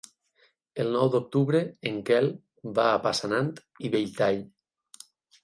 El nou d'octubre en Quel va a Passanant i Belltall.